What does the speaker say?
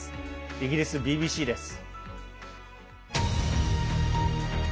イギリスＢＢＣです。